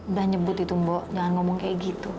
udah nyebut itu mbak jangan ngomong kayak gitu